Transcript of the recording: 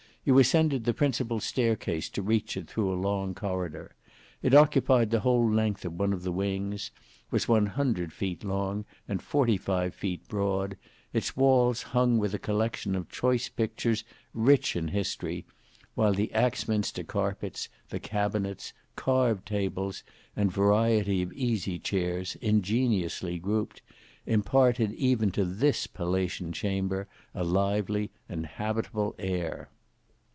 You ascended the principal staircase to reach it through a long corridor. It occupied the whole length of one of the wings; was one hundred feet long, and forty five feet broad, its walls hung with a collection of choice pictures rich in history; while the Axminster carpets, the cabinets, carved tables, and variety of easy chairs, ingeniously grouped, imparted even to this palatian chamber a lively and habitable air.